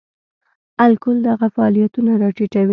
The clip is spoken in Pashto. الکول دغه فعالیتونه را ټیټوي.